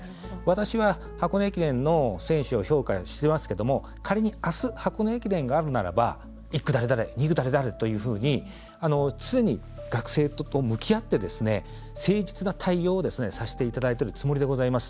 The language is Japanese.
私は箱根駅伝の選手を評価してますけど仮に明日、箱根駅伝があるならば１区誰々、２区誰々と常に学生と向き合って誠実な対応をさせていただいているつもりでございます。